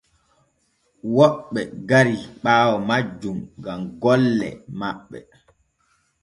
Woɓɓe gari ɓaawo majjum gam golle maɓɓe.